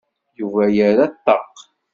Yuba yerra ṭṭaq.